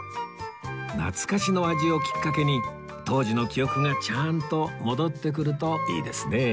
懐かしの味をきっかけに当時の記憶がちゃんと戻ってくるといいですね